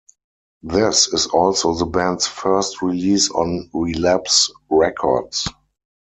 This is also the band's first release on Relapse Records.